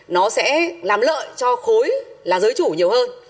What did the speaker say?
nó sẽ làm lợi cho khối là giới chủ nhiều hơn